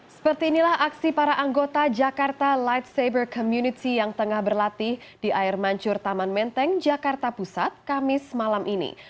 seperti inilah aksi para anggota jakarta light saber community yang tengah berlatih di air mancur taman menteng jakarta pusat kamis malam ini